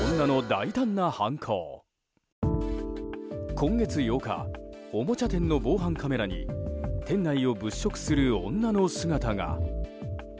今月８日おもちゃ店の防犯カメラに店内を物色する女の姿が。